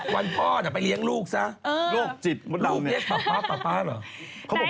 วันนี้สวสวสวสวสวเหลือสอง